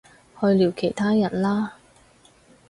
去聊其他人啦